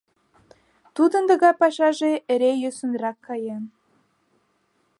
Тудын тыгай пашаже эре йӧсынрак каен.